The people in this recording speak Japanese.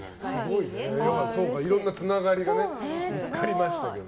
いろいろなつながりが見つかりましたけど。